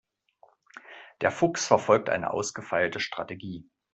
Der Fuchs verfolgt eine ausgefeilte Strategie.